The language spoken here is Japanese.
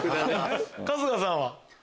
春日さんは？